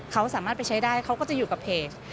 เขาสามารถไปใช้ได้เขาก็จะอยู่กับเพจ